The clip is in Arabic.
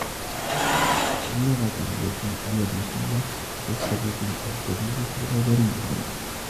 اللغة اليديشية تُكتَب بالأبجديّة العبريّة.